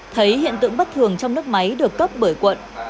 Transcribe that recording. thấy hiện tượng bất thường trong nước máy được cấp bởi quận